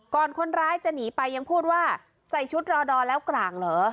คนร้ายจะหนีไปยังพูดว่าใส่ชุดรอดอแล้วกลางเหรอ